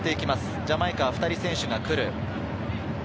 ジャマイカは２人選手が来る。